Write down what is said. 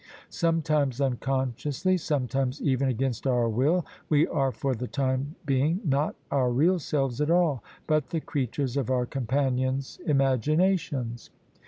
Sometimes unconsciously — some times even against our will — ^we are for the time being not our real selves at all, but the creatures of our companions' imaginations.